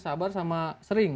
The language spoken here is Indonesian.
sabar sama sering